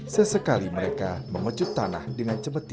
sesekali mereka memecut tanah dengan cepat